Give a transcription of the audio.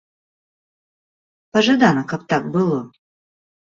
Пажадана, каб так было.